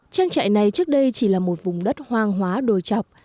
trang trại này trước đây chỉ là một vùng đất hoang hóa đồi chọc